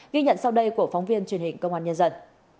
ghi nhận sau đây của phóng viên truyền hình công an nhân dân